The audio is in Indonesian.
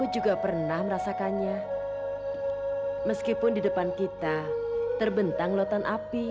siapa saja yang menginginkan kebenaran